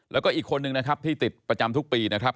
แล้วก็อีกคนนึงนะครับที่ติดประจำทุกปีนะครับ